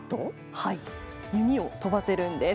はい弓を飛ばせるんです。